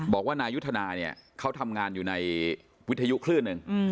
นายุทธนาเนี่ยเขาทำงานอยู่ในวิทยุคลื่นหนึ่ง